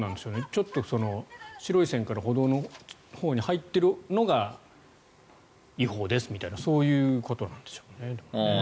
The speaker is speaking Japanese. ちょっと白い線から歩道のほうに入っているのが違法ですみたいなそういうことなんでしょうね。